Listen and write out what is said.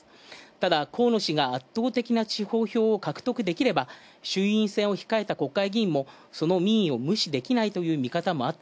ただ河野氏が圧倒的に地方票を獲得できれば衆院をその民意を無視できないという見方も。